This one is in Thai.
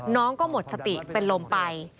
น้องก็หมดสติเป็นลมไป